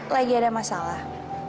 lagi ada masalah